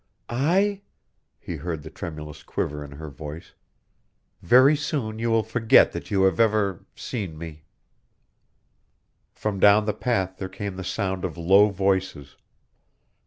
"I?" He heard the tremulous quiver in her voice. "Very soon you will forget that you have ever seen me." From down the path there came the sound of low voices.